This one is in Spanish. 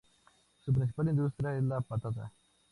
Su principal industria es la patata.